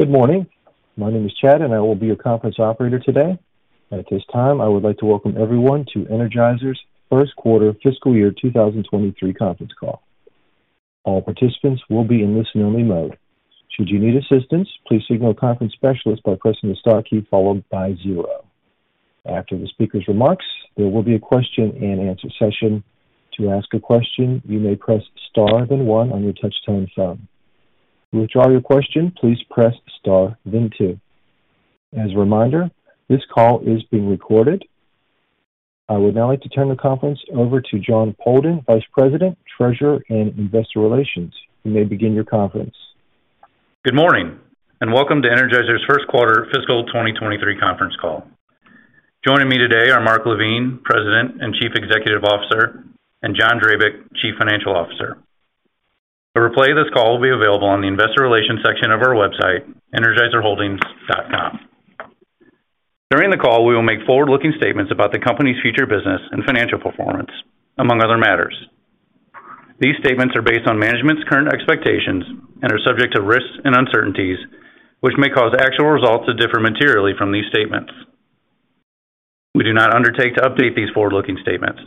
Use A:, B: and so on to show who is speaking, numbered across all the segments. A: Good morning. My name is Chad, and I will be your conference operator today. At this time, I would like to welcome everyone to Energizer's first quarter fiscal year 2023 conference call. All participants will be in listen only mode. Should you need assistance, please signal a conference specialist by pressing the star key followed by zero. After the speaker's remarks, there will be a Q&A session. To ask a question, you may press star, then one on your touchtone phone. To withdraw your question, please press star, then 2. As a reminder, this call is being recorded. I would now like to turn the conference over to Jon Poldan, Vice President, Treasurer, and Investor Relations. You may begin your conference.
B: Good morning, and welcome to Energizer's first quarter fiscal 2023 conference call. Joining me today are Mark LaVigne, President and Chief Executive Officer, and John Drabik, Chief Financial Officer. A replay of this call will be available on the investor relations section of our website, energizerholdings.com. During the call, we will make forward-looking statements about the company's future business and financial performance, among other matters. These statements are based on management's current expectations and are subject to risks and uncertainties, which may cause actual results to differ materially from these statements. We do not undertake to update these forward-looking statements.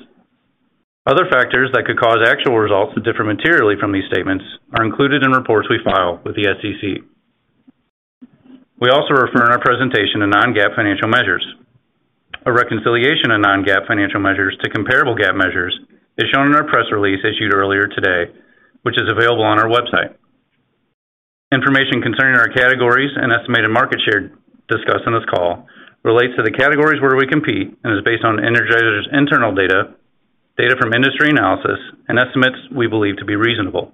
B: Other factors that could cause actual results to differ materially from these statements are included in reports we file with the SEC. We also refer in our presentation to non-GAAP financial measures. A reconciliation of non-GAAP financial measures to comparable GAAP measures is shown in our press release issued earlier today, which is available on our website. Information concerning our categories and estimated market share discussed on this call relates to the categories where we compete and is based on Energizer's internal data from industry analysis, and estimates we believe to be reasonable.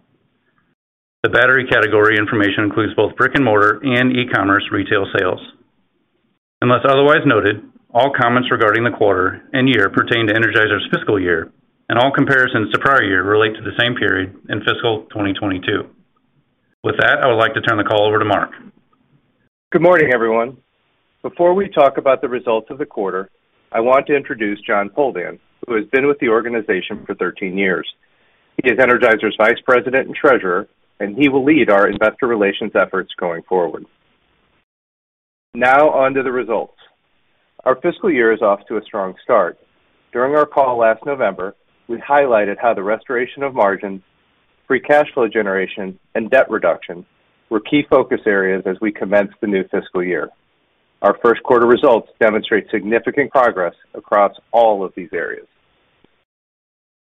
B: The battery category information includes both brick-and-mortar and e-commerce retail sales. Unless otherwise noted, all comments regarding the quarter and year pertain to Energizer's fiscal year, and all comparisons to prior year relate to the same period in fiscal 2022. With that, I would like to turn the call over to Mark.
C: Good morning, everyone. Before we talk about the results of the quarter, I want to introduce Jon Poldan, who has been with the organization for 13 years. He is Energizer's Vice President and Treasurer. He will lead our investor relations efforts going forward. On to the results. Our fiscal year is off to a strong start. During our call last November, we highlighted how the restoration of margins, free cash flow generation, and debt reduction were key focus areas as we commenced the new fiscal year. Our first quarter results demonstrate significant progress across all of these areas.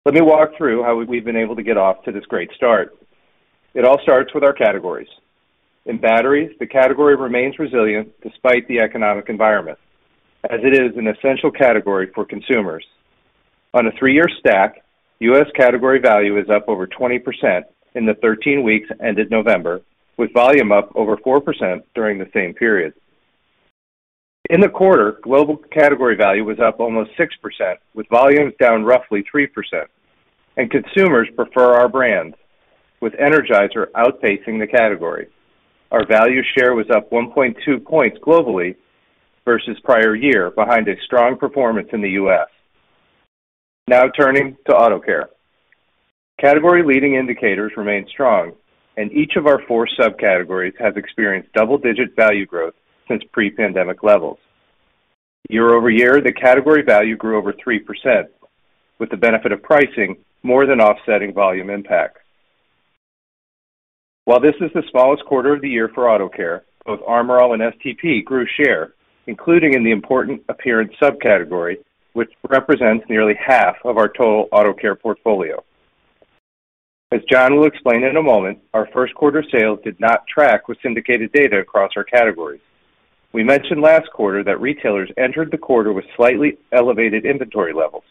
C: Let me walk through how we've been able to get off to this great start. It all starts with our categories. In batteries, the category remains resilient despite the economic environment, as it is an essential category for consumers. On a three-year stack, U.S. category value is up over 20% in the 13 weeks ended November, with volume up over 4% during the same period. In the quarter, global category value was up almost 6%, with volumes down roughly 3%. Consumers prefer our brand, with Energizer outpacing the category. Our value share was up 1.2 points globally versus prior year, behind a strong performance in the U.S. Now turning to Auto Care. Category leading indicators remain strong, and each of our four subcategories has experienced double-digit value growth since pre-pandemic levels. Year-over-year, the category value grew over 3%, with the benefit of pricing more than offsetting volume impact. While this is the smallest quarter of the year for Auto Care, both Armor All and STP grew share, including in the important appearance subcategory, which represents nearly half of our total Auto Care portfolio. As John will explain in a moment, our first quarter sales did not track with syndicated data across our categories. We mentioned last quarter that retailers entered the quarter with slightly elevated inventory levels,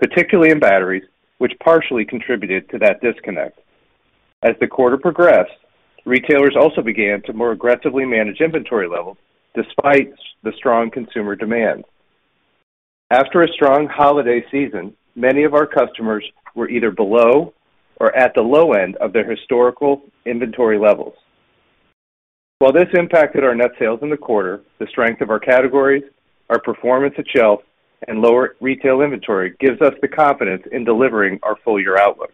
C: particularly in batteries, which partially contributed to that disconnect. As the quarter progressed, retailers also began to more aggressively manage inventory levels despite the strong consumer demand. After a strong holiday season, many of our customers were either below or at the low end of their historical inventory levels. While this impacted our net sales in the quarter, the strength of our categories, our performance at shelf, and lower retail inventory gives us the confidence in delivering our full year outlook.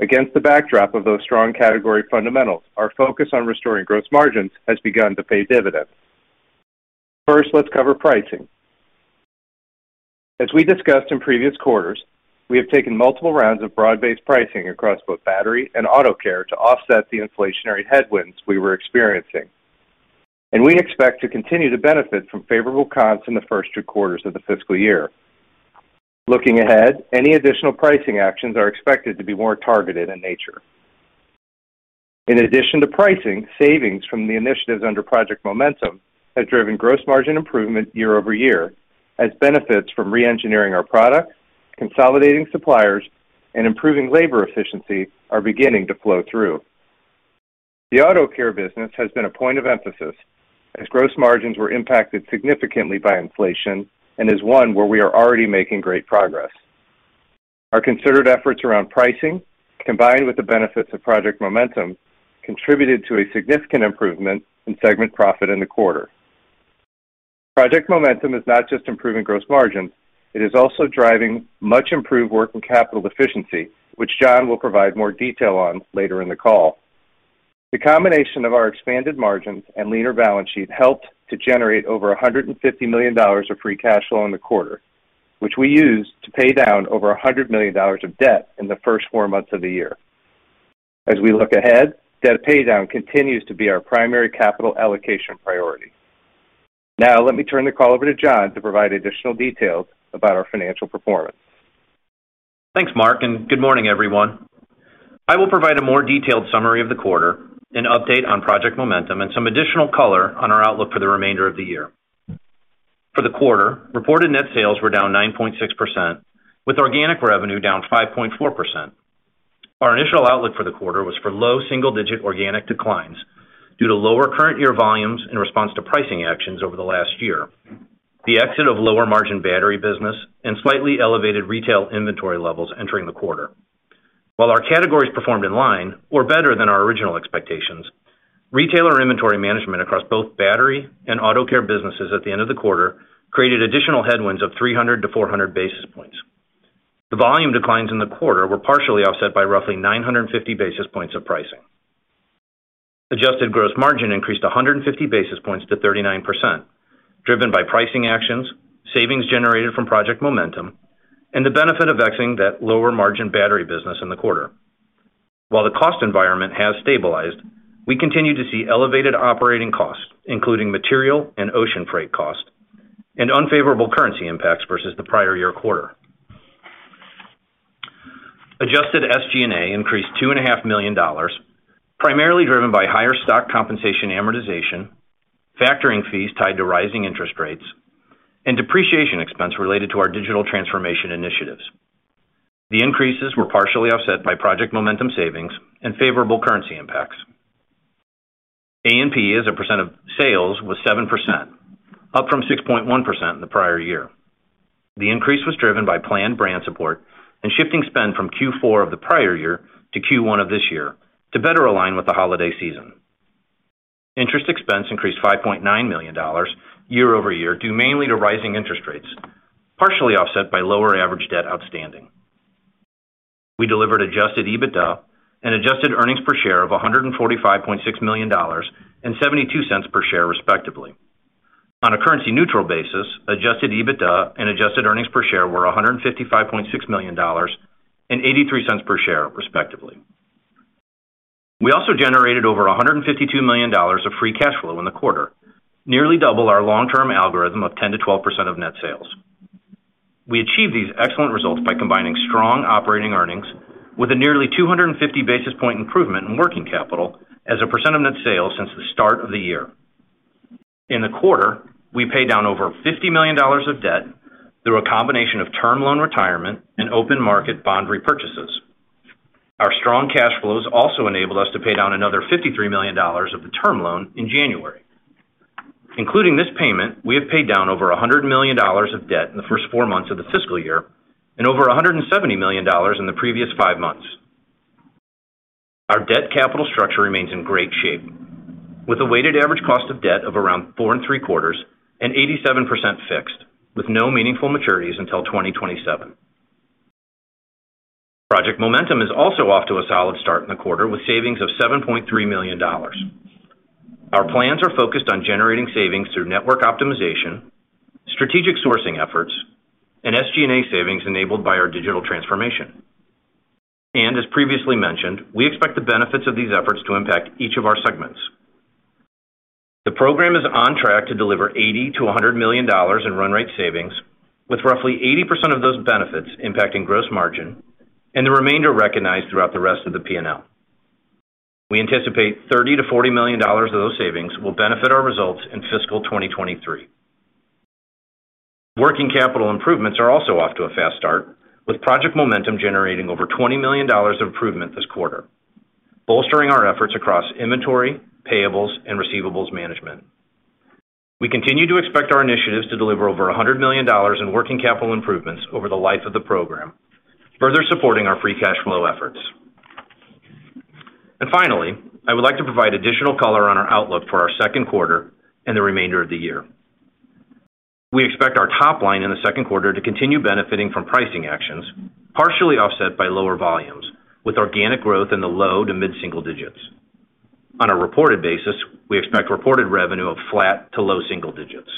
C: Against the backdrop of those strong category fundamentals, our focus on restoring gross margins has begun to pay dividends. First, let's cover pricing. As we discussed in previous quarters, we have taken multiple rounds of broad-based pricing across both battery and Auto Care to offset the inflationary headwinds we were experiencing. We expect to continue to benefit from favorable cons in the first two quarters of the fiscal year. Looking ahead, any additional pricing actions are expected to be more targeted in nature. In addition to pricing, savings from the initiatives under Project Momentum have driven gross margin improvement year-over-year as benefits from re-engineering our products, consolidating suppliers, and improving labor efficiency are beginning to flow through. The Auto Care business has been a point of emphasis as gross margins were impacted significantly by inflation and is one where we are already making great progress. Our considered efforts around pricing, combined with the benefits of Project Momentum, contributed to a significant improvement in segment profit in the quarter. Project Momentum is not just improving gross margins, it is also driving much improved working capital efficiency, which John will provide more detail on later in the call. The combination of our expanded margins and leaner balance sheet helped to generate over $150 million of free cash flow in the quarter, which we used to pay down over $100 million of debt in the first four months of the year. As we look ahead, debt paydown continues to be our primary capital allocation priority. Now, let me turn the call over to John to provide additional details about our financial performance.
D: Thanks, Mark. Good morning, everyone. I will provide a more detailed summary of the quarter, an update on Project Momentum, and some additional color on our outlook for the remainder of the year. For the quarter, reported net sales were down 9.6%, with organic revenue down 5.4%. Our initial outlook for the quarter was for low single-digit organic declines due to lower current year volumes in response to pricing actions over the last year, the exit of lower-margin battery business, and slightly elevated retail inventory levels entering the quarter. While our categories performed in line or better than our original expectations, retailer inventory management across both battery and Auto Care businesses at the end of the quarter created additional headwinds of 300 basis points-400 basis points. The volume declines in the quarter were partially offset by roughly 950 basis points of pricing. Adjusted gross margin increased 150 basis points to 39%, driven by pricing actions, savings generated from Project Momentum, and the benefit of exiting that lower-margin battery business in the quarter. While the cost environment has stabilized, we continue to see elevated operating costs, including material and ocean freight costs and unfavorable currency impacts versus the prior year quarter. Adjusted SG&A increased two and a half million dollars, primarily driven by higher stock compensation amortization, factoring fees tied to rising interest rates, and depreciation expense related to our digital transformation initiatives. The increases were partially offset by Project Momentum savings and favorable currency impacts. A&P as a percent of sales was 7%, up from 6.1% in the prior year. The increase was driven by planned brand support and shifting spend from Q4 of the prior year to Q1 of this year to better align with the holiday season. Interest expense increased $5.9 million year-over-year, due mainly to rising interest rates, partially offset by lower average debt outstanding. We delivered Adjusted EBITDA and Adjusted earnings per share of $145.6 million and $0.72 per share, respectively. On a currency neutral basis, Adjusted EBITDA and Adjusted earnings per share were $155.6 million and $0.83 per share, respectively. We also generated over $152 million of free cash flow in the quarter, nearly double our long-term algorithm of 10%-12% of net sales. We achieved these excellent results by combining strong operating earnings with a nearly 250 basis point improvement in working capital as a % of net sales since the start of the year. In the quarter, we paid down over $50 million of debt through a combination of term loan retirement and open market bond repurchases. Our strong cash flows also enabled us to pay down another $53 million of the term loan in January. Including this payment, we have paid down over $100 million of debt in the first four months of the fiscal year and over $170 million in the previous five months. Our debt capital structure remains in great shape with a weighted average cost of debt of around 4.75 and 87% fixed with no meaningful maturities until 2027. Project Momentum is also off to a solid start in the quarter with savings of $7.3 million. Our plans are focused on generating savings through network optimization, strategic sourcing efforts, and SG&A savings enabled by our digital transformation. As previously mentioned, we expect the benefits of these efforts to impact each of our segments. The program is on track to deliver $80 million-$100 million in run rate savings, with roughly 80% of those benefits impacting gross margin and the remainder recognized throughout the rest of the P&L. We anticipate $30 million-$40 million of those savings will benefit our results in fiscal 2023. Working capital improvements are also off to a fast start, with Project Momentum generating over $20 million of improvement this quarter, bolstering our efforts across inventory, payables, and receivables management. We continue to expect our initiatives to deliver over $100 million in working capital improvements over the life of the program, further supporting our free cash flow efforts. Finally, I would like to provide additional color on our outlook for our second quarter and the remainder of the year. We expect our top line in the second quarter to continue benefiting from pricing actions, partially offset by lower volumes, with organic growth in the low to mid-single digits. On a reported basis, we expect reported revenue of flat to low single digits.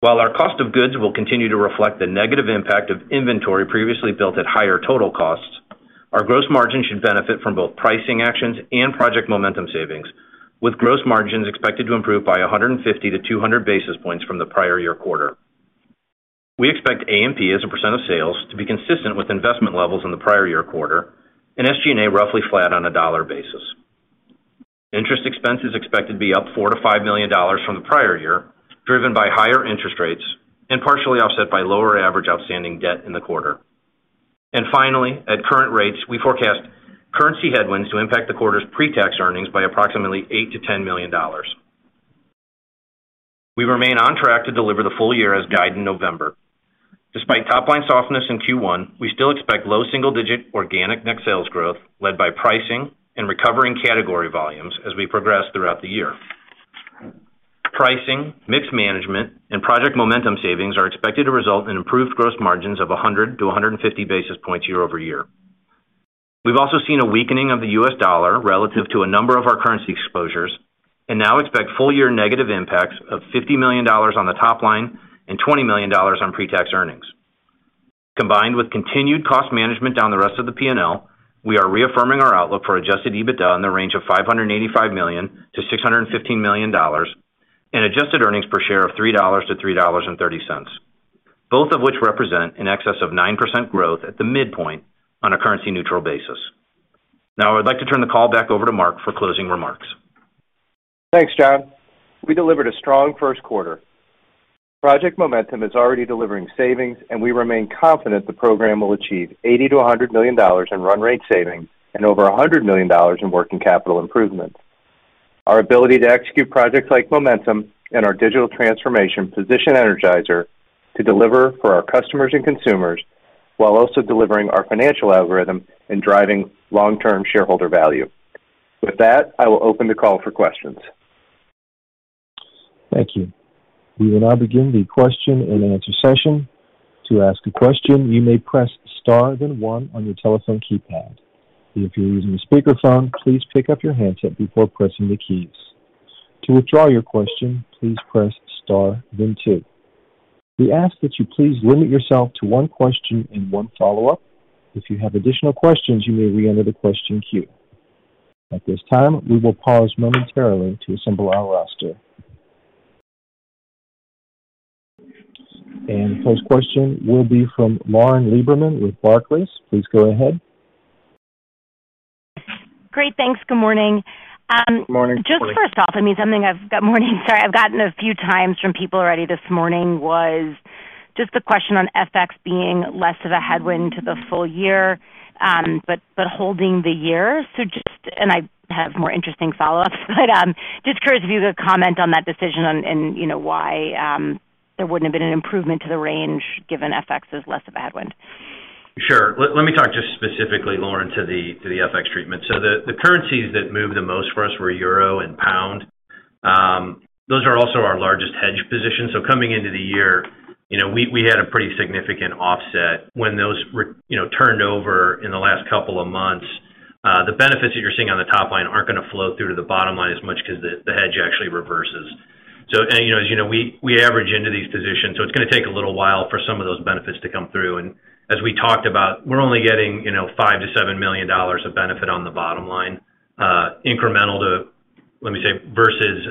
D: While our cost of goods will continue to reflect the negative impact of inventory previously built at higher total costs, our gross margin should benefit from both pricing actions and Project Momentum savings, with gross margins expected to improve by 150 basis points to 200 basis points from the prior year quarter. We expect A&P as a % of sales to be consistent with investment levels in the prior year quarter and SG&A roughly flat on a $ basis. Interest expense is expected to be up $4 million-$5 million from the prior year, driven by higher interest rates and partially offset by lower average outstanding debt in the quarter. Finally, at current rates, we forecast currency headwinds to impact the quarter's pre-tax earnings by approximately $8 million-$10 million. We remain on track to deliver the full year as guided in November. Despite top-line softness in Q1, we still expect low single-digit organic net sales growth led by pricing and recovering category volumes as we progress throughout the year. Pricing, mix management and Project Momentum savings are expected to result in improved gross margins of 100 basis points-150 basis points year-over-year. We've also seen a weakening of the US dollar relative to a number of our currency exposures, and now expect full year negative impacts of $50 million on the top line and $20 million on pre-tax earnings. Combined with continued cost management down the rest of the P&L, we are reaffirming our outlook for Adjusted EBITDA in the range of $585 million-$615 million and adjusted earnings per share of $3.00-$3.30, both of which represent in excess of 9% growth at the midpoint on a currency neutral basis. Now I'd like to turn the call back over to Mark for closing remarks.
C: Thanks, John. We delivered a strong first quarter. Project Momentum is already delivering savings, and we remain confident the program will achieve $80 million-$100 million in run rate savings and over $100 million in working capital improvements. Our ability to execute projects like Momentum and our digital transformation position Energizer to deliver for our customers and consumers while also delivering our financial algorithm and driving long term shareholder value. With that, I will open the call for questions.
A: Thank you. We will now begin the Q&A session. To ask a question, you may press star then one on your telephone keypad. If you're using a speakerphone, please pick up your handset before pressing the keys. To withdraw your question, please press star then two. We ask that you please limit yourself to one question and one follow-up. If you have additional questions, you may reenter the question queue. At this time, we will pause momentarily to assemble our roster. First question will be from Lauren Lieberman with Barclays. Please go ahead.
E: Great, thanks. Good morning.
C: Good morning.
E: Just first off, I mean something I've got. I've gotten a few times from people already this morning was just the question on FX being less of a headwind to the full year, but holding the year. Just and I have more interesting follow-ups, but just curious if you could comment on that decision on and, you know why, there wouldn't have been an improvement to the range given FX is less of a headwind?
D: Sure. Let me talk just specifically, Lauren, to the FX treatment. The currencies that moved the most for us were euro and pound. Those are also our largest hedge positions. Coming into the year, you know, we had a pretty significant offset when those were, you know, turned over in the last couple of months. The benefits that you're seeing on the top line aren't gonna flow through to the bottom line as much 'cause the hedge actually reverses. You know, as you know, we average into these positions, so it's gonna take a little while for some of those benefits to come through. As we talked about, we're only getting, you know, $5 million-$7 million of benefit on the bottom line, incremental to, let me say, versus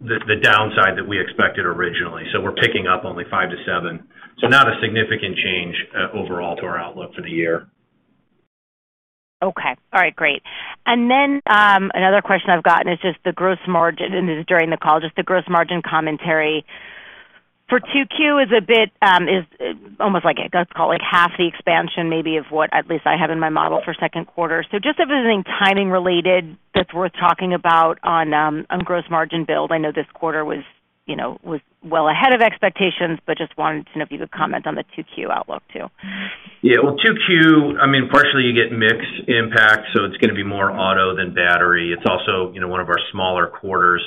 D: the downside that we expected originally. We're picking up only $5 million-$7 million. Not a significant change overall to our outlook for the year.
E: Okay. All right, great. Another question I've gotten is just the gross margin, and this is during the call, just the gross margin commentary for 2Q is a bit, is almost like, let's call it half the expansion maybe of what at least I have in my model for second quarter. Just if there's anything timing related that's worth talking about on gross margin build. I know this quarter was, you know, was well ahead of expectations, wanted to know if you could comment on the 2Q outlook too.
D: Yeah. Well, 2Q I mean partially you get mix impact, so it's gonna be more auto than battery. It's also, you know, one of our smaller quarters.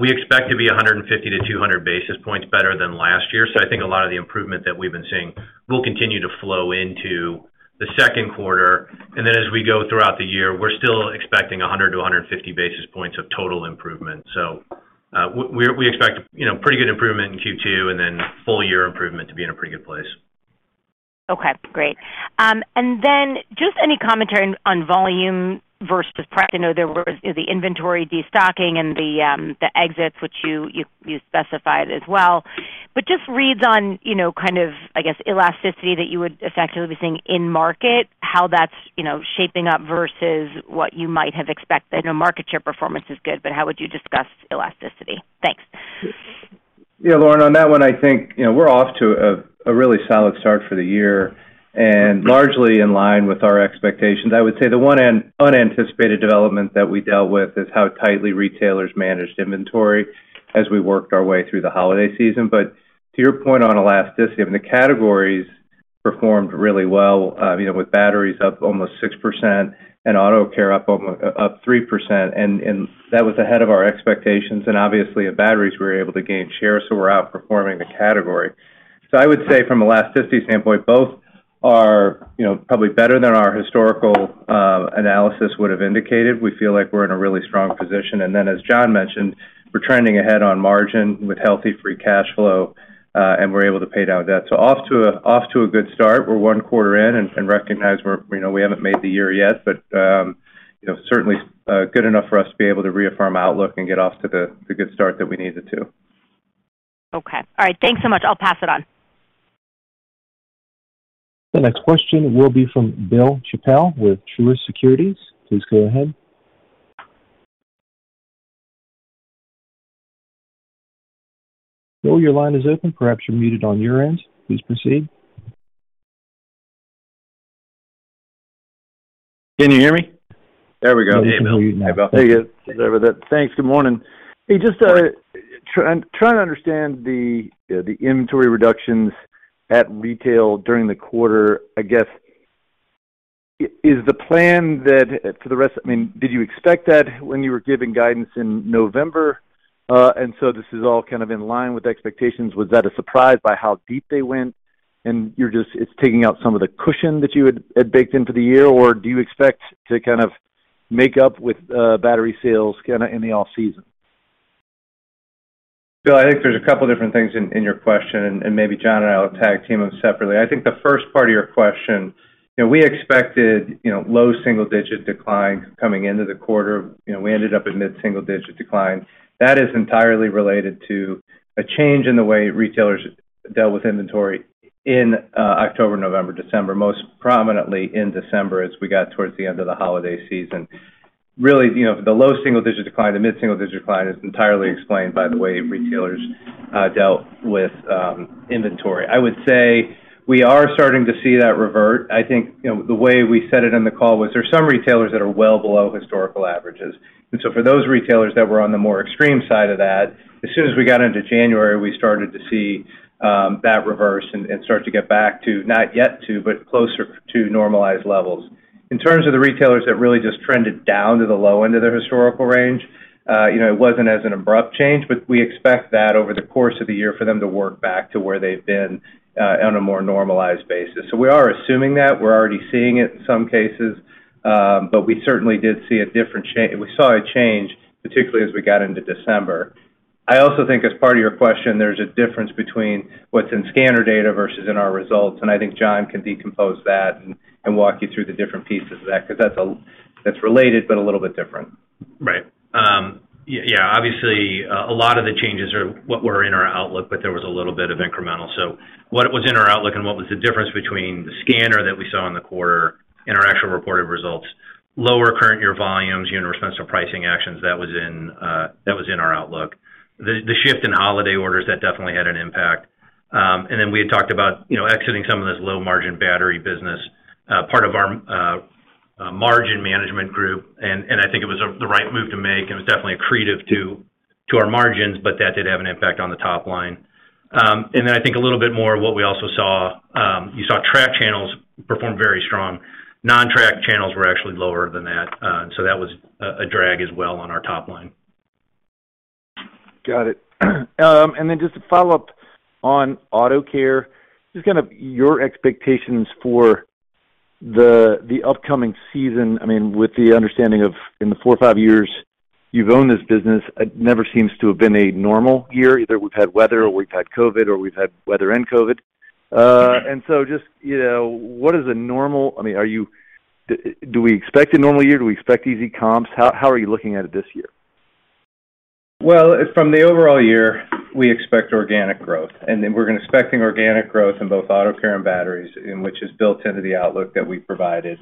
D: We expect to be 150-200 basis points better than last year. I think a lot of the improvement that we've been seeing will continue to flow into the second quarter. Then as we go throughout the year, we're still expecting 100 basis points-150 basis points of total improvement. We expect, you know, pretty good improvement in Q2 and then full year improvement to be in a pretty good place.
E: Okay, great. Just any commentary on volume versus price. I know there were the inventory destocking and the exits, which you specified as well. Just reads on, you know, kind of, I guess, elasticity that you would effectively be seeing in market, how that's, you know, shaping up versus what you might have expected. I know market share performance is good, but how would you discuss elasticity? Thanks.
C: Yeah, Lauren, on that one, I think, you know, we're off to a really solid start for the year and largely in line with our expectations. I would say the one unanticipated development that we dealt with is how tightly retailers managed inventory as we worked our way through the holiday season. To your point on elasticity, I mean, the categories performed really well, you know, with batteries up almost 6% and Auto Care up 3%, and that was ahead of our expectations. Obviously at batteries we were able to gain share, so we're outperforming the category. I would say from elasticity standpoint, both are, you know, probably better than our historical analysis would have indicated. We feel like we're in a really strong position. As John mentioned, we're trending ahead on margin with healthy free cash flow, and we're able to pay down debt. Off to a good start. We're 1 quarter in and recognize we're, you know, we haven't made the year yet, but, you know, certainly good enough for us to be able to reaffirm outlook and get off to the good start that we needed to.
E: Okay. All right. Thanks so much. I'll pass it on.
A: The next question will be from Bill Chappell with Truist Securities. Please go ahead. Bill, your line is open. Perhaps you're muted on your end. Please proceed.
F: Can you hear me?
C: There we go.
F: There you go. Thanks. Good morning. Hey, just, trying to understand the inventory reductions at retail during the quarter. I guess, is the plan that for the rest. I mean, did you expect that when you were giving guidance in November? This is all kind of in line with expectations. Was that a surprise by how deep they went, and you're just taking out some of the cushion that you had baked into the year? Or do you expect to kind of make up with battery sales kinda in the off-season?
C: Bill, I think there's a couple different things in your question, and maybe John and I will tag team them separately. I think the first part of your question, you know, we expected, you know, low single-digit declines coming into the quarter. You know, we ended up in mid-single-digit decline. That is entirely related to a change in the way retailers dealt with inventory in October, November, December, most prominently in December as we got towards the end of the holiday season. Really, you know, the low single-digit decline, the mid-single-digit decline is entirely explained by the way retailers dealt with inventory. I would say we are starting to see that revert. I think, you know, the way we said it in the call was there's some retailers that are well below historical averages. For those retailers that were on the more extreme side of that, as soon as we got into January, we started to see that reverse and start to get back to, but closer to normalized levels. In terms of the retailers that really just trended down to the low end of their historical range, it wasn't as an abrupt change, but we expect that over the course of the year for them to work back to where they've been on a more normalized basis. We are assuming that. We're already seeing it in some cases, but we certainly did see a different we saw a change, particularly as we got into December. I also think as part of your question, there's a difference between what's in scanner data versus in our results. I think John can decompose that and walk you through the different pieces of that, 'cause that's related, but a little bit different.
D: Right. Yeah, obviously, a lot of the changes are what were in our outlook, there was a little bit of incremental. What was in our outlook and what was the difference between the scanner that we saw in the quarter and our actual reported results, lower current year volumes, universal pricing actions that was in our outlook. The shift in holiday orders, that definitely had an impact. We had talked about, you know, exiting some of this low margin battery business, part of our margin management group. And I think it was the right move to make, and it was definitely accretive to our margins, that did have an impact on the top line. I think a little bit more what we also saw, you saw track channels perform very strong. Non-track channels were actually lower than that. That was a drag as well on our top line.
F: Got it. Just to follow up on Auto Care, just kind of your expectations for the upcoming season, I mean, with the understanding of in the four or five years you've owned this business, it never seems to have been a normal year. Either we've had weather or we've had COVID or we've had weather and COVID. Just, you know, what is a normal... I mean, do we expect a normal year? Do we expect easy comps? How, how are you looking at it this year?
C: From the overall year, we expect organic growth, we're expecting organic growth in both Auto Care and batteries, in which is built into the outlook that we provided.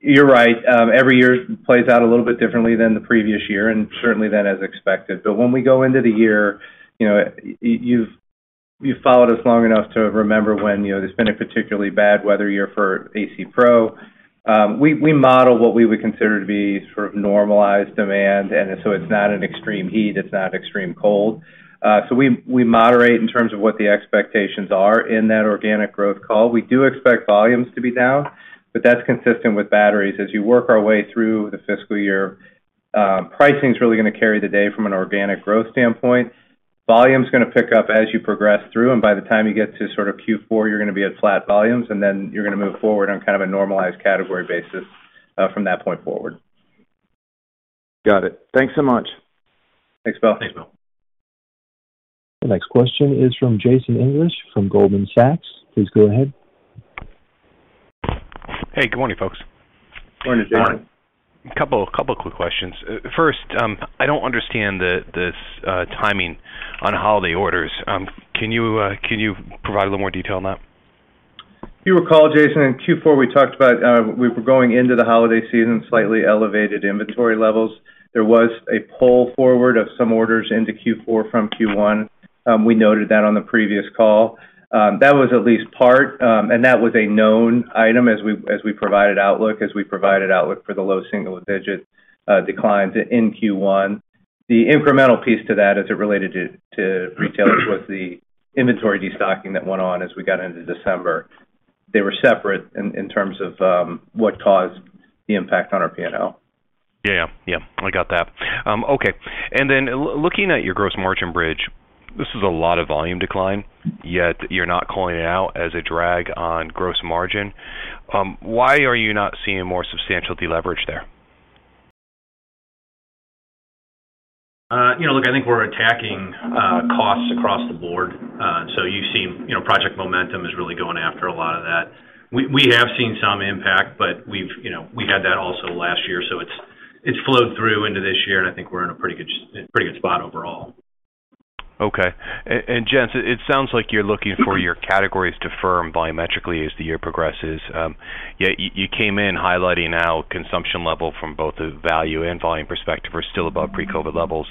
C: You're right, every year plays out a little bit differently than the previous year and certainly than as expected. When we go into the year, you know, you've followed us long enough to remember when, you know, there's been a particularly bad weather year for A/C Pro. We model what we would consider to be sort of normalized demand. It's not an extreme heat, it's not extreme cold. We moderate in terms of what the expectations are in that organic growth call. We do expect volumes to be down, that's consistent with batteries. As you work our way through the fiscal year, pricing's really gonna carry the day from an organic growth standpoint. Volume's gonna pick up as you progress through. By the time you get to sort of Q4, you're gonna be at flat volumes. Then you're gonna move forward on kind of a normalized category basis, from that point forward.
F: Got it. Thanks so much.
C: Thanks, Bill.
D: Thanks, Bill.
A: The next question is from Jason English, from Goldman Sachs. Please go ahead.
G: Hey, good morning, folks.
C: Good morning, Jason.
D: Morning.
G: A couple quick questions. first, I don't understand this timing on holiday orders. Can you provide a little more detail on that?
C: If you recall, Jason, in Q4, we talked about, we were going into the holiday season, slightly elevated inventory levels. There was a pull forward of some orders into Q4 from Q1. We noted that on the previous call. That was at least part, and that was a known item as we provided outlook for the low single-digit decline in Q1. The incremental piece to that as it related to retailers was the inventory destocking that went on as we got into December. They were separate in terms of, what caused the impact on our P&L.
G: Yeah. Yeah. I got that. Okay. Then looking at your gross margin bridge, this is a lot of volume decline, yet you're not calling it out as a drag on gross margin. Why are you not seeing more substantial deleverage there?
D: You know, look, I think we're attacking costs across the board. You've seen, you know, Project Momentum is really going after a lot of that. We have seen some impact, but we've, you know, we had that also last year, so it's flowed through into this year. I think we're in a pretty good spot overall.
G: Okay. gents, it sounds like you're looking for your categories to firm volumetrically as the year progresses. You came in highlighting how consumption level from both the value and volume perspective are still above pre-COVID levels.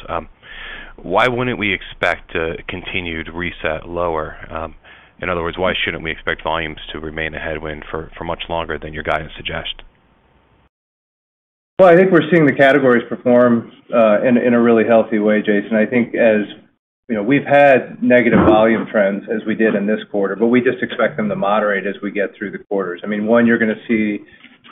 G: Why wouldn't we expect a continued reset lower? In other words, why shouldn't we expect volumes to remain a headwind for much longer than your guidance suggests?
C: Well, I think we're seeing the categories perform in a really healthy way, Jason. You know, we've had negative volume trends as we did in this quarter. We just expect them to moderate as we get through the quarters. I mean, one, you're gonna see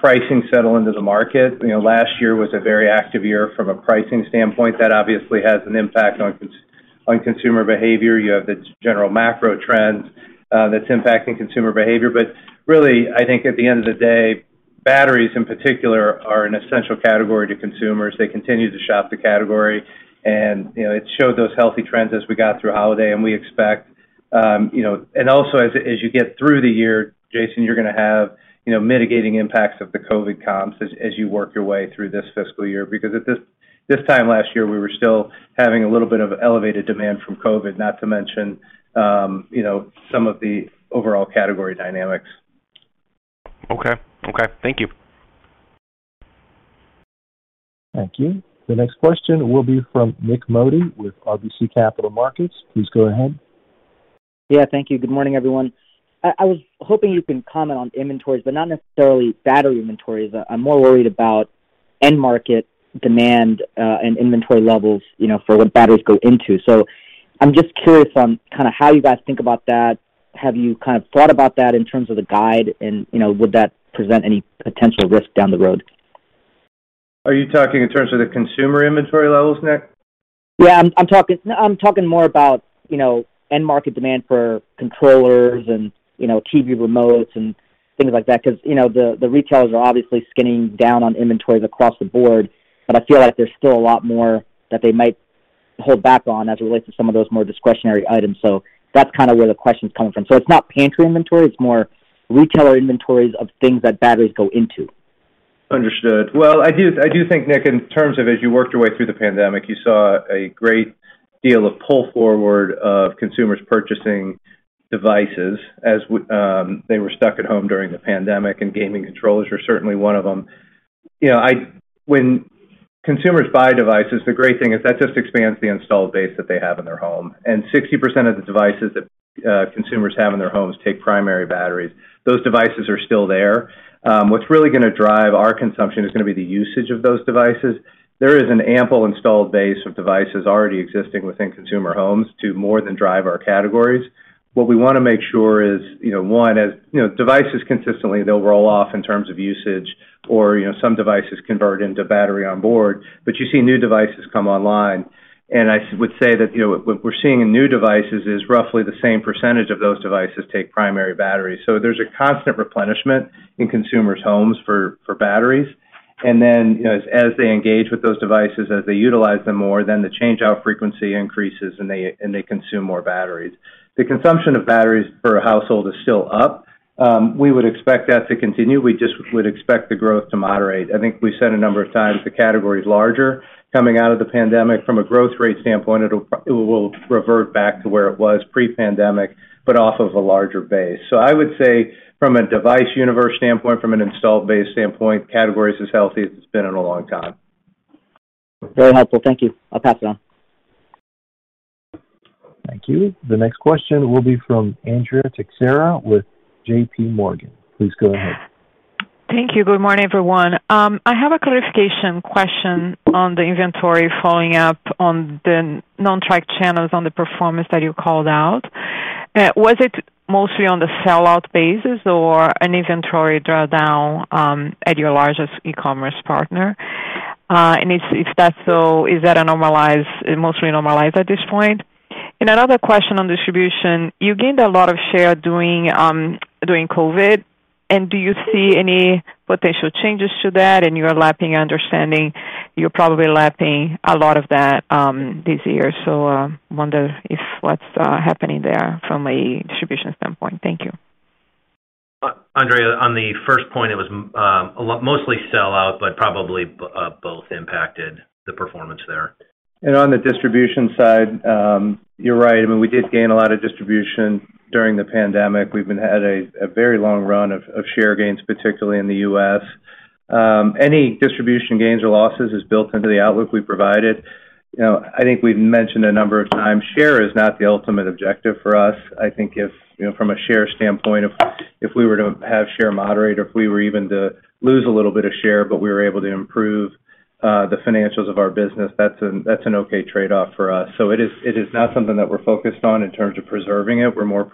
C: pricing settle into the market. You know, last year was a very active year from a pricing standpoint. That obviously has an impact on consumer behavior. You have the general macro trends that's impacting consumer behavior. Really, I think at the end of the day, batteries in particular are an essential category to consumers. They continue to shop the category and, you know, it showed those healthy trends as we got through holiday and we expect. Also as you get through the year, Jason, you're gonna have, you know, mitigating impacts of the COVID comps as you work your way through this fiscal year, because at this time last year, we were still having a little bit of elevated demand from COVID, not to mention, you know, some of the overall category dynamics.
G: Okay. Okay. Thank you.
A: Thank you. The next question will be from Nik Modi with RBC Capital Markets. Please go ahead.
H: Yeah, thank you. Good morning, everyone. I was hoping you can comment on inventories, but not necessarily battery inventories. I'm more worried about end market demand and inventory levels, you know, for what batteries go into. I'm just curious on kinda how you guys think about that. Have you kind of thought about that in terms of the guide and, you know, would that present any potential risk down the road?
C: Are you talking in terms of the consumer inventory levels, Nik?
H: Yeah, no, I'm talking more about, you know, end market demand for controllers and, you know, TV remotes and things like that because, you know, the retailers are obviously skinning down on inventories across the board, but I feel like there's still a lot more that they might hold back on as it relates to some of those more discretionary items. That's kind of where the question's coming from. It's not pantry inventory, it's more retailer inventories of things that batteries go into.
C: Understood. Well, I do, I do think, Nik, in terms of as you worked your way through the pandemic, you saw a great deal of pull forward of consumers purchasing devices as they were stuck at home during the pandemic, and gaming controllers were certainly one of them. You know, when consumers buy devices, the great thing is that just expands the installed base that they have in their home. Sixty percent of the devices that consumers have in their homes take primary batteries. Those devices are still there. What's really gonna drive our consumption is gonna be the usage of those devices. There is an ample installed base of devices already existing within consumer homes to more than drive our categories. What we want to make sure is, you know, one, as, you know, devices consistently, they'll roll off in terms of usage or, you know, some devices convert into battery on board, but you see new devices come online. I would say that, you know, what we're seeing in new devices is roughly the same % of those devices take primary batteries. There's a constant replenishment in consumers' homes for batteries. Then, you know, as they engage with those devices, as they utilize them more, then the change-out frequency increases and they consume more batteries. The consumption of batteries per household is still up. We would expect that to continue. We just would expect the growth to moderate. I think we said a number of times the category is larger coming out of the pandemic. From a growth rate standpoint, it will revert back to where it was pre-pandemic but off of a larger base. I would say from a device universe standpoint, from an installed base standpoint, category is as healthy as it's been in a long time.
H: Very helpful. Thank you. I'll pass it on.
A: Thank you. The next question will be from Andrea Teixeira with JPMorgan. Please go ahead.
I: Thank you. Good morning, everyone. I have a clarification question on the inventory following up on the non-track channels on the performance that you called out. Was it mostly on the sellout basis or an inventory drawdown at your largest e-commerce partner? If that's so, is that mostly normalized at this point? Another question on distribution. You gained a lot of share during COVID, do you see any potential changes to that? You are lapping, understanding you're probably lapping a lot of that this year. Wonder if what's happening there from a distribution standpoint. Thank you.
D: Andrea, on the first point, it was a lot mostly sellout, but probably both impacted the performance there.
C: On the distribution side, you're right. I mean, we did gain a lot of distribution during the pandemic. We've had a very long run of share gains, particularly in the U.S. Any distribution gains or losses is built into the outlook we provided. You know, I think we've mentioned a number of times, share is not the ultimate objective for us. I think if, you know, from a share standpoint, if we were to have share moderate or if we were even to lose a little bit of share, but we were able to improve the financials of our business, that's an okay trade-off for us. It is not something that we're focused on in terms of preserving it. We're more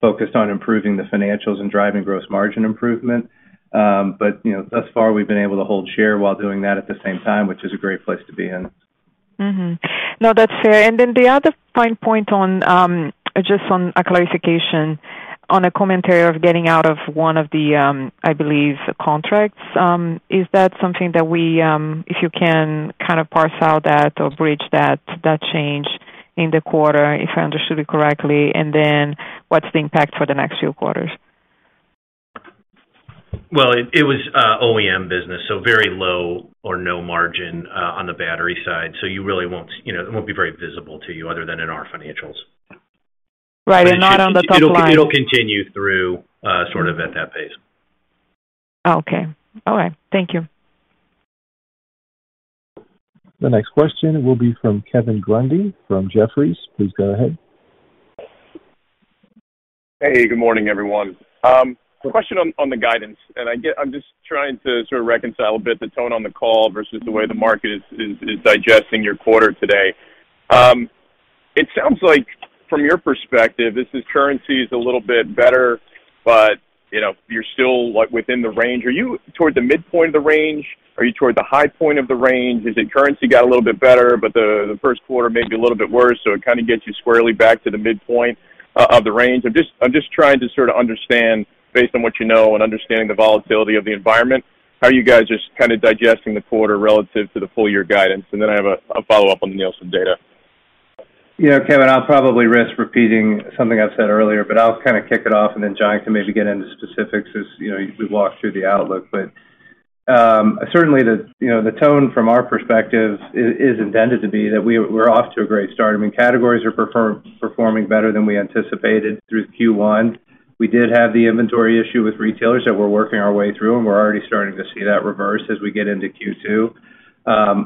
C: focused on improving the financials and driving gross margin improvement. you know, thus far, we've been able to hold share while doing that at the same time, which is a great place to be in.
I: No, that's fair. The other fine point on just on a clarification on a commentary of getting out of one of the I believe contracts. Is that something that we, if you can kind of parse out that or bridge that change in the quarter, if I understood it correctly, and then what's the impact for the next few quarters?
D: It was OEM business, so very low or no margin on the battery side. You really won't, you know, it won't be very visible to you other than in our financials.
I: Right. Not on the top line.
D: It'll continue through sort of at that pace.
I: Okay. All right. Thank you.
A: The next question will be from Kevin Grundy from Jefferies. Please go ahead.
J: Hey, good morning, everyone. Question on the guidance, and I'm just trying to sort of reconcile a bit the tone on the call versus the way the market is digesting your quarter today. It sounds like from your perspective, this is currency is a little bit better, but, you know, you're still, like, within the range. Are you toward the midpoint of the range? Are you toward the high point of the range? Is it currency got a little bit better, but the first quarter may be a little bit worse, so it kinda gets you squarely back to the midpoint of the range? I'm just trying to sort of understand, based on what you know and understanding the volatility of the environment, how you guys are just kinda digesting the quarter relative to the full year guidance. I have a follow-up on the Nielsen data.
C: You know, Kevin, I'll probably risk repeating something I've said earlier, but I'll kind of kick it off, and then John can maybe get into specifics as, you know, we walk through the outlook. Certainly the, you know, the tone from our perspective is intended to be that we're off to a great start. I mean, categories are performing better than we anticipated through Q1. We did have the inventory issue with retailers that we're working our way through, and we're already starting to see that reverse as we get into Q2.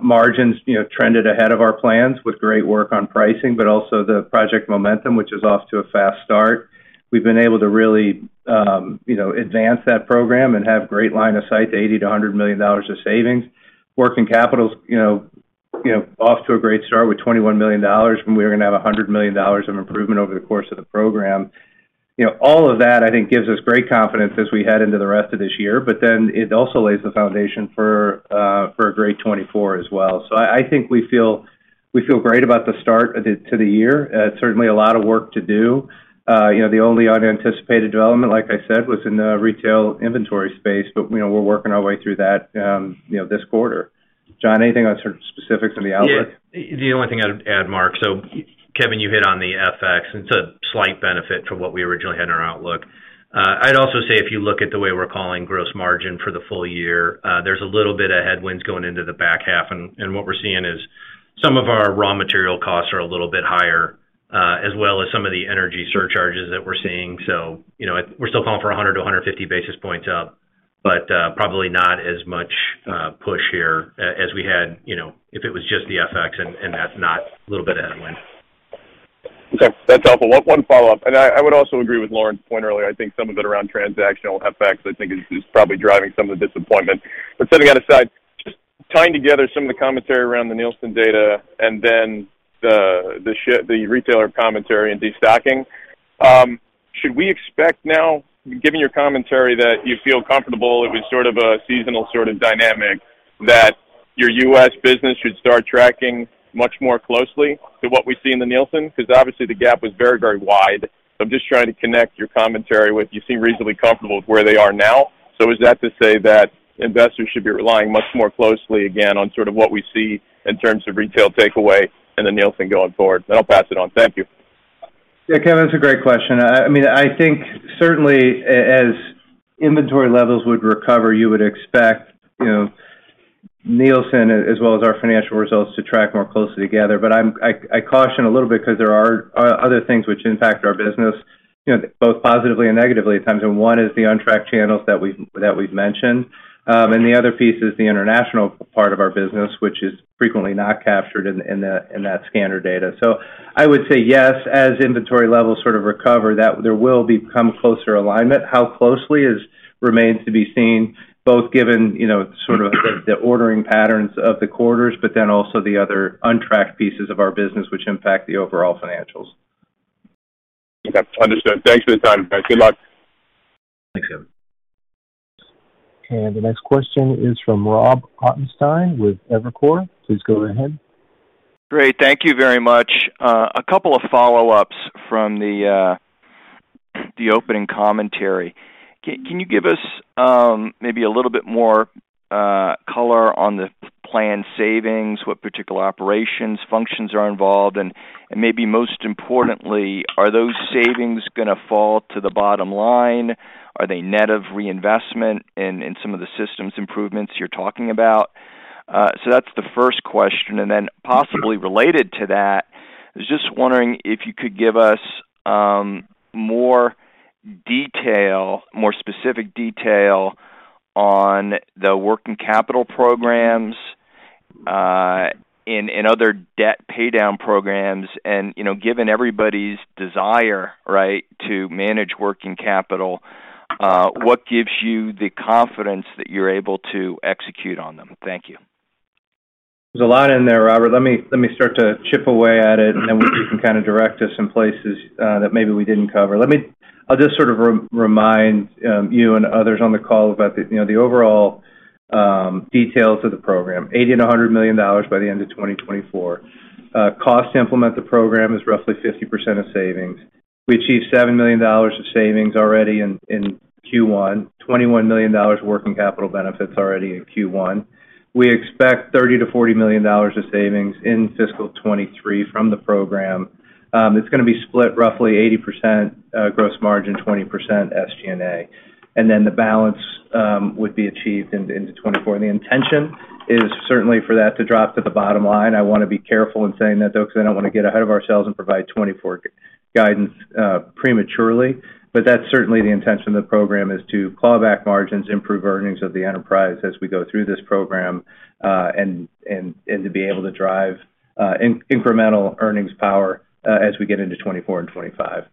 C: Margins, you know, trended ahead of our plans with great work on pricing, but also the Project Momentum, which is off to a fast start. We've been able to really, you know, advance that program and have great line of sight to $80 million-$100 million of savings. Working capital's, you know, off to a great start with $21 million, we're gonna have $100 million of improvement over the course of the program. You know, all of that, I think, gives us great confidence as we head into the rest of this year, it also lays the foundation for a great 2024 as well. I think we feel great about the start to the year. Certainly a lot of work to do. You know, the only unanticipated development, like I said, was in the retail inventory space, you know, we're working our way through that, you know, this quarter. John, anything on sort of specifics on the outlook?
D: Yeah. The only thing I'd add, Mark. Kevin, you hit on the FX. It's a slight benefit from what we originally had in our outlook. I'd also say if you look at the way we're calling gross margin for the full year, there's a little bit of headwinds going into the back half. And what we're seeing is some of our raw material costs are a little bit higher, as well as some of the energy surcharges that we're seeing. you know, we're still calling for 100-150 basis points up, but probably not as much push here as we had, you know, if it was just the FX and that's not a little bit of headwind.
J: That's helpful. One follow-up, I would also agree with Lauren's point earlier. I think some of it around transactional FX is probably driving some of the disappointment. Setting that aside, just tying together some of the commentary around the Nielsen data and then the retailer commentary and destocking, should we expect now, given your commentary that you feel comfortable, it was sort of a seasonal sort of dynamic, that your U.S. business should start tracking much more closely to what we see in the Nielsen? 'Cause obviously the gap was very, very wide. I'm just trying to connect your commentary with you seem reasonably comfortable with where they are now. Is that to say that investors should be relying much more closely, again, on sort of what we see in terms of retail takeaway in the Nielsen going forward? I'll pass it on. Thank you.
C: Yeah. Kevin, that's a great question. I mean, I think certainly as inventory levels would recover, you would expect, you know, Nielsen as well as our financial results to track more closely together. I caution a little bit 'cause there are other things which impact our business, you know, both positively and negatively at times, and one is the untracked channels that we've mentioned. The other piece is the international part of our business, which is frequently not captured in the, in that scanner data. I would say yes, as inventory levels sort of recover, that there will become a closer alignment. How closely remains to be seen, both given, you know, sort of the ordering patterns of the quarters, but then also the other untracked pieces of our business which impact the overall financials.
J: Okay. Understood. Thanks for the time, guys. Good luck.
D: Thanks, Kevin.
A: The next question is from Robert Ottenstein with Evercore. Please go ahead.
K: Great. Thank you very much. 2 follow-ups from the opening commentary. Can you give us maybe a little bit more color on the planned savings, what particular operations functions are involved? Maybe most importantly, are those savings gonna fall to the bottom line? Are they net of reinvestment in some of the systems improvements you're talking about? That's the first question. Then possibly related to that, I was just wondering if you could give us more detail, more specific detail on the working capital programs and other debt paydown programs and, you know, given everybody's desire, right, to manage working capital, what gives you the confidence that you're able to execute on them? Thank you.
C: There's a lot in there, Robert. Let me start to chip away at it, and then you can kind of direct us in places that maybe we didn't cover. I'll just sort of re-remind you and others on the call about the, you know, the overall details of the program. $80 million-$100 million by the end of 2024. Cost to implement the program is roughly 50% of savings. We achieved $7 million of savings already in Q1, $21 million working capital benefits already in Q1. We expect $30 million-$40 million of savings in fiscal 2023 from the program. It's gonna be split roughly 80% gross margin, 20% SG&A. Then the balance would be achieved into 2024. The intention is certainly for that to drop to the bottom line. I wanna be careful in saying that, though, 'cause I don't wanna get ahead of ourselves and provide 2024 guidance prematurely. That's certainly the intention of the program is to claw back margins, improve earnings of the enterprise as we go through this program, and to be able to drive incremental earnings power as we get into 2024 and 2025.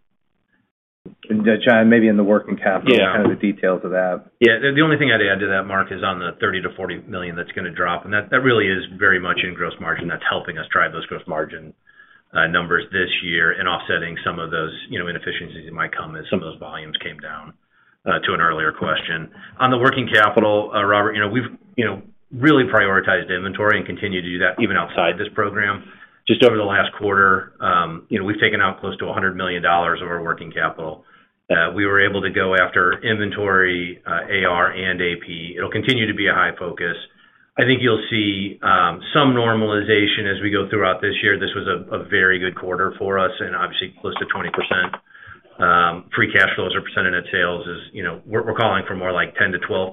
C: John, maybe in the working capital.
D: Yeah.
C: Kind of the details of that.
D: The only thing I'd add to that, Mark, is on the $30 million-$40 million that's gonna drop, that really is very much in gross margin. That's helping us drive those gross margin numbers this year and offsetting some of those, you know, inefficiencies that might come as some of those volumes came down to an earlier question. On the working capital, Robert, you know, we've, you know, really prioritized inventory and continue to do that even outside this program. Over the last quarter, you know, we've taken out close to $100 million of our working capital. We were able to go after inventory, AR and AP. It'll continue to be a high focus. I think you'll see some normalization as we go throughout this year. This was a very good quarter for us. Obviously close to 20% free cash flows or percentage of sales is, you know, we're calling for more like 10%-12%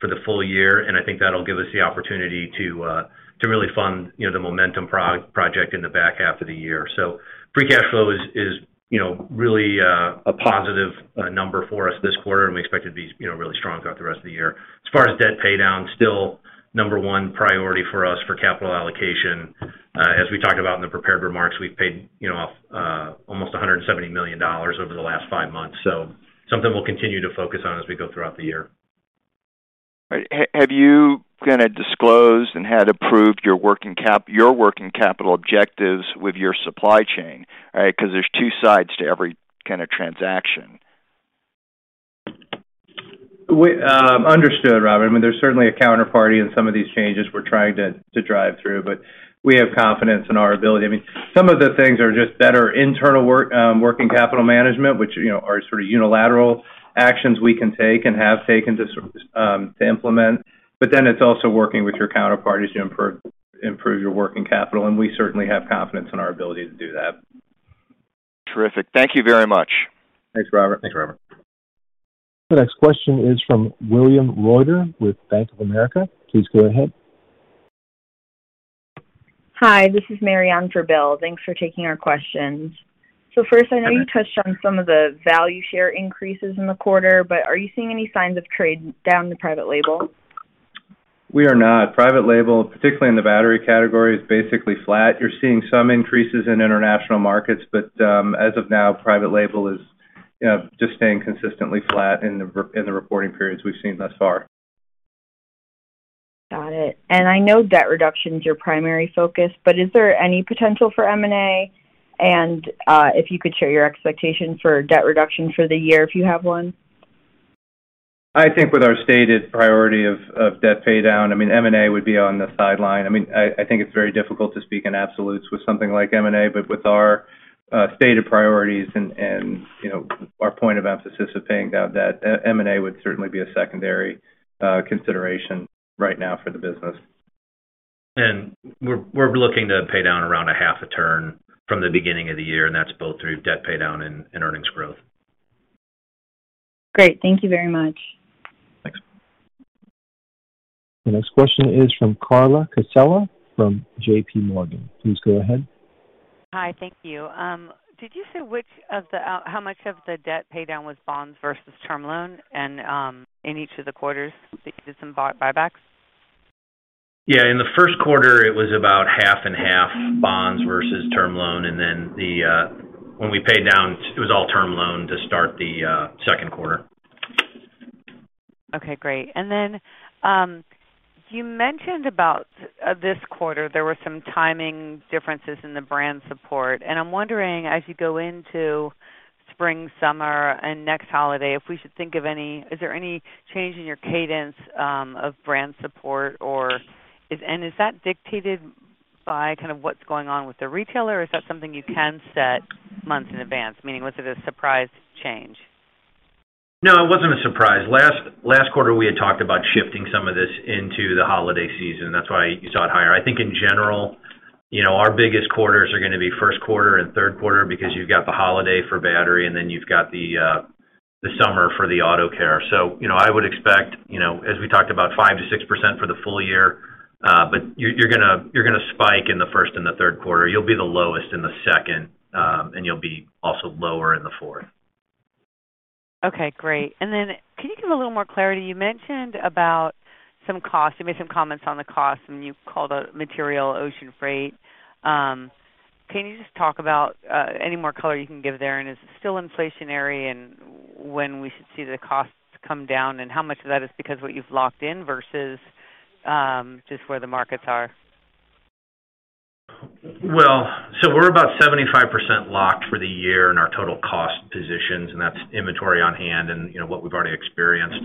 D: for the full year, and I think that'll give us the opportunity to really fund, you know, Project Momentum in the back half of the year. Free cash flow is, you know, really a positive number for us this quarter, and we expect it to be, you know, really strong throughout the rest of the year. As far as debt paydown, still number one priority for us for capital allocation. As we talked about in the prepared remarks, we've paid, you know, almost $170 million over the last five months. Something we'll continue to focus on as we go throughout the year.
K: All right. Have you kinda disclosed and had approved your working capital objectives with your supply chain? All right? 'Cause there's 2 sides to every kinda transaction.
D: We understood, Robert. I mean, there's certainly a counterparty in some of these changes we're trying to drive through, but we have confidence in our ability. I mean, some of the things are just better internal work, working capital management, which, you know, are sort of unilateral actions we can take and have taken to implement. It's also working with your counterparties to improve your working capital, and we certainly have confidence in our ability to do that.
K: Terrific. Thank you very much.
C: Thanks, Robert.
D: Thanks, Robert.
A: The next question is from William Reuter with Bank of America. Please go ahead.
L: Hi, this is Marianne for Bill. Thanks for taking our questions. First, I know you touched on some of the value share increases in the quarter, but are you seeing any signs of trade down to private label?
C: We are not. Private label, particularly in the battery category, is basically flat. You're seeing some increases in international markets, but, as of now, private label is, you know, just staying consistently flat in the reporting periods we've seen thus far.
L: Got it. I know debt reduction is your primary focus, but is there any potential for M&A? If you could share your expectations for debt reduction for the year, if you have one.
C: I think with our stated priority of debt paydown, I mean, M&A would be on the sideline. I mean, I think it's very difficult to speak in absolutes with something like M&A, but with our stated priorities and, you know, our point of emphasis of paying down debt, M&A would certainly be a secondary consideration right now for the business.
D: We're looking to pay down around a half a turn from the beginning of the year, and that's both through debt paydown and earnings growth.
L: Great. Thank you very much.
D: Thanks.
A: The next question is from Carla Casella from JPMorgan. Please go ahead.
M: Hi. Thank you. Did you say which of the how much of the debt paydown was bonds versus term loan and, in each of the quarters that you did some buybacks?
D: Yeah. In the first quarter, it was about half and half bonds versus term loan, and then when we paid down, it was all term loan to start the second quarter.
M: Okay, great. You mentioned about this quarter, there were some timing differences in the brand support. I'm wondering, as you go into spring, summer, and next holiday, is there any change in your cadence of brand support? Is that dictated by kind of what's going on with the retailer? Or is that something you can set months in advance, meaning was it a surprise change?
D: No, it wasn't a surprise. Last quarter, we had talked about shifting some of this into the holiday season. That's why you saw it higher. I think in general, you know, our biggest quarters are gonna be first quarter and third quarter because you've got the holiday for battery, and then you've got the summer for the Auto Care. You know, I would expect, you know, as we talked about 5% to 6% for the full year, but you're gonna spike in the first and the third quarter. You'll be the lowest in the second, and you'll be also lower in the fourth.
M: Okay, great. Can you give a little more clarity? You mentioned about some costs. You made some comments on the costs when you called out material ocean freight. Can you just talk about any more color you can give there? Is it still inflationary? When we should see the costs come down and how much of that is because what you've locked in versus just where the markets are?
D: We're about 75% locked for the year in our total cost positions, and that's inventory on hand and, you know, what we've already experienced.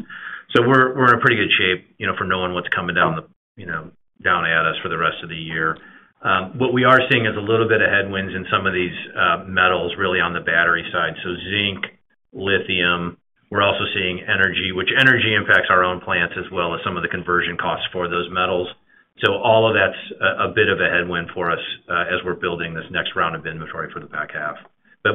D: We're in pretty good shape, you know, for knowing what's coming down the, you know, down at us for the rest of the year. What we are seeing is a little bit of headwinds in some of these metals really on the battery side, so zinc, lithium. We're also seeing energy, which energy impacts our own plants as well as some of the conversion costs for those metals. All of that's a bit of a headwind for us as we're building this next round of inventory for the back half.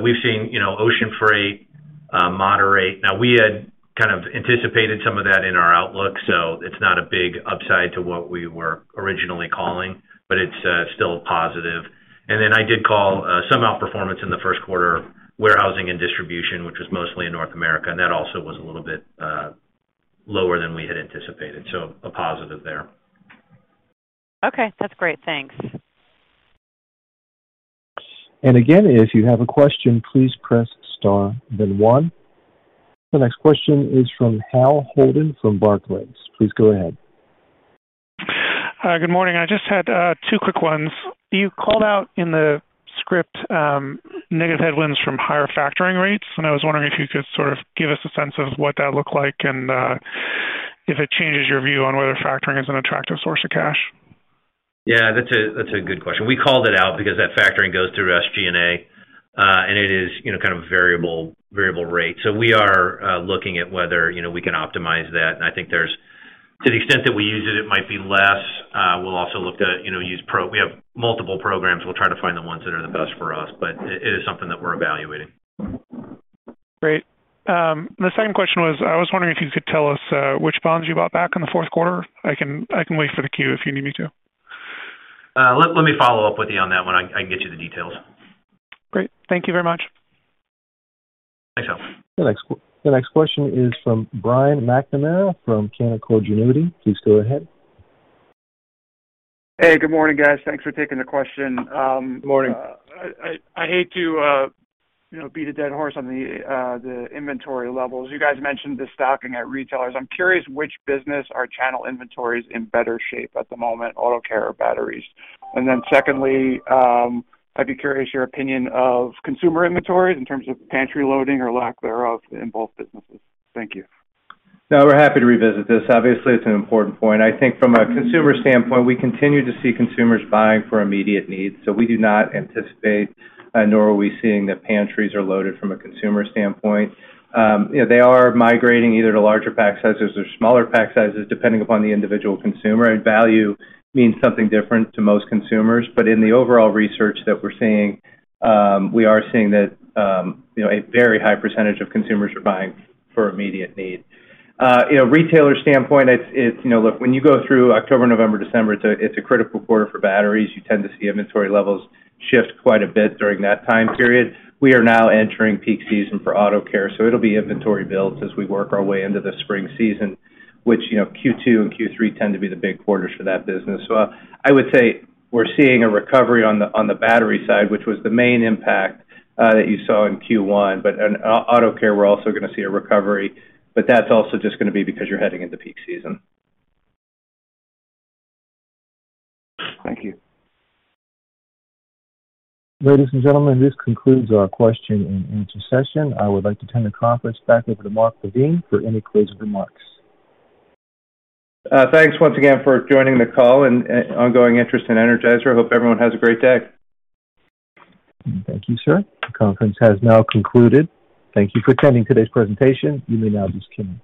D: We've seen, you know, ocean freight moderate. We had kind of anticipated some of that in our outlook, so it's not a big upside to what we were originally calling, but it's still a positive. I did call some outperformance in the first quarter of warehousing and distribution, which was mostly in North America, and that also was a little bit lower than we had anticipated. A positive there.
M: Okay, that's great. Thanks.
A: Again, if you have a question, please press star then one. The next question is from Hale Holden from Barclays. Please go ahead.
N: Good morning. I just had two quick ones. You called out in the script, negative headwinds from higher factoring rates, and I was wondering if you could sort of give us a sense of what that looked like and if it changes your view on whether factoring is an attractive source of cash.
C: Yeah. That's a good question. We called it out because that factoring goes through SG&A, and it is, you know, kind of variable rate. We are looking at whether, you know, we can optimize that. I think. To the extent that we use it might be less. We'll also look at, you know, We have multiple programs. We'll try to find the ones that are the best for us, but it is something that we're evaluating.
N: Great. The second question was, I was wondering if you could tell us, which bonds you bought back in the fourth quarter. I can wait for the queue if you need me to.
C: Let me follow up with you on that one. I can get you the details.
N: Great. Thank you very much.
C: Thanks, Hal.
A: The next question is from Brian McNamara from Canaccord Genuity. Please go ahead.
O: Hey, good morning, guys. Thanks for taking the question.
C: Good morning.
O: I hate to, you know, beat a dead horse on the inventory levels. You guys mentioned the stocking at retailers. I'm curious which business or channel inventory is in better shape at the moment, Auto Care or batteries? Secondly, I'd be curious your opinion of consumer inventories in terms of pantry loading or lack thereof in both businesses. Thank you.
C: We're happy to revisit this. Obviously, it's an important point. I think from a consumer standpoint, we continue to see consumers buying for immediate needs. We do not anticipate, nor are we seeing that pantries are loaded from a consumer standpoint. You know, they are migrating either to larger pack sizes or smaller pack sizes, depending upon the individual consumer. Value means something different to most consumers. In the overall research that we're seeing, we are seeing that, you know, a very high % of consumers are buying for immediate need. You know, retailer standpoint. You know, look, when you go through October, November, December, it's a critical quarter for batteries. You tend to see inventory levels shift quite a bit during that time period. We are now entering peak season for Auto Care, so it'll be inventory builds as we work our way into the spring season, which, you know, Q2 and Q3 tend to be the big quarters for that business. I would say we're seeing a recovery on the battery side, which was the main impact that you saw in Q1. In Auto Care, we're also gonna see a recovery, but that's also just gonna be because you're heading into peak season.
O: Thank you.
A: Ladies and gentlemen, this concludes our question and answer session. I would like to turn the conference back over to Mark LaVigne for any closing remarks.
C: Thanks once again for joining the call and ongoing interest in Energizer. Hope everyone has a great day.
A: Thank you, sir. The conference has now concluded. Thank you for attending today's presentation. You may now disconnect.